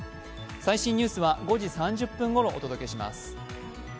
最新ニュースは５時３０分ごろ、お届けします。